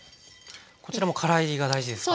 こちらもから煎りが大事ですか？